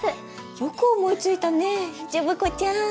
よく思いついたねジョブ子ちゃん。